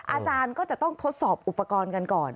อาจารย์ก็จะต้องทดสอบอุปกรณ์กันก่อน